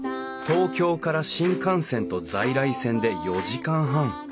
東京から新幹線と在来線で４時間半。